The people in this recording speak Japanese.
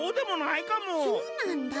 そうなんだ。